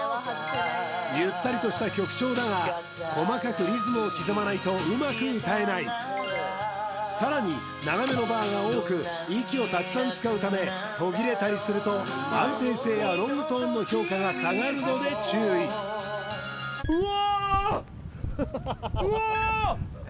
ゆったりとした曲調だが細かくリズムを刻まないとうまく歌えないさらに長めのバーが多く息をたくさん使うため途切れたりすると安定性やロングトーンの評価が下がるので注意うお！